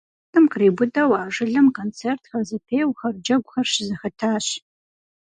Махуитӏым къриубыдэу а жылэм концертхэр, зэпеуэхэр, джэгухэр щызэхэтащ.